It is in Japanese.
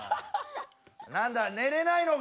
なんだ寝れないのか！